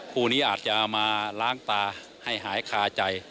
คู่นี้อาจจะมาล้างตาให้หายคาใจ